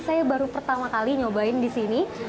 saya baru pertama kali nyobain di sini